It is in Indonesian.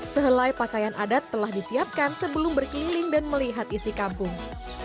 sehelai pakaian adat telah disiapkan sebelum berkeliling dan melihat isi kampung